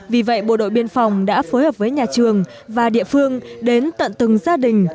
vì vậy bộ đội biên phòng đã phối hợp với nhà trường và địa phương đến tận từng gia đình